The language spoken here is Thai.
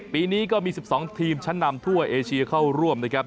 ปีนี้ก็มี๑๒ทีมชั้นนำทั่วเอเชียเข้าร่วมนะครับ